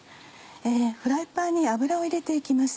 フライパンに油を入れて行きます。